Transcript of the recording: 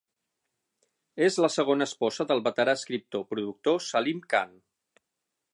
És la segona esposa del veterà escriptor-productor Salim Khan.